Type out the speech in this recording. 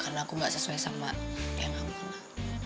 karena aku gak sesuai sama yang kamu kenal